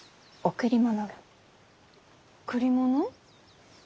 贈り物？